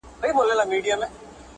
• در واري سم ګل اناره چي رانه سې -